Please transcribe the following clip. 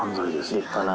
立派な。